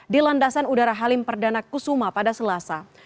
di landasan udara halim perdana kusuma pada selasa